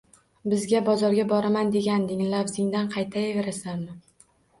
Birga bozorga boraman, deganding, lafzingdan qaytaverasanmi?